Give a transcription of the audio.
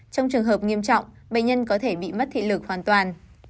trong trường hợp nghiêm trọng bệnh nhân có thể bị mất thị lực hoàn toàn